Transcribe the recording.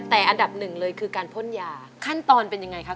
แต่อันดับหนึ่งเลยคือการพ่นยาขั้นตอนเป็นยังไงครับ